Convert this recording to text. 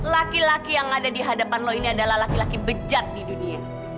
laki laki yang ada di hadapan lo ini adalah laki laki bejat di dunia